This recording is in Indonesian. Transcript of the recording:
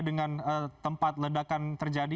dengan tempat ledakan terjadi